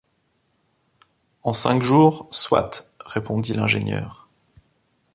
En cinq jours, soit répondit l’ingénieur.